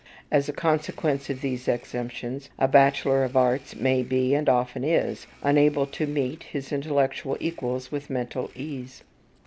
As a consequence of these exemptions, a bachelor of arts may be, and often is, unable to meet his intellectual equals with mental ease.